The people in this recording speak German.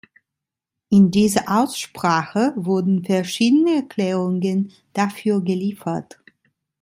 In dieser Aussprache wurden verschiedene Erklärungen dafür geliefert.